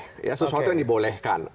tapi harus sesuatu yang dibolehkan